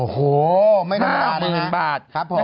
โอ้โหไม่ธรรมดานะฮะ